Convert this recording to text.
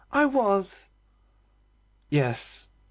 I was!" "Yes."